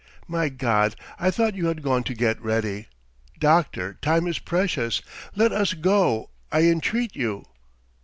My God, I thought you had gone to get ready! Doctor, time is precious. Let us go, I entreat you."